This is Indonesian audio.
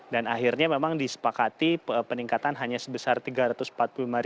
dan akhirnya memang disepakati peningkatan hanya sebesar rp tiga ratus empat puluh lima